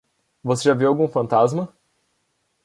Você já viu algum fantasma?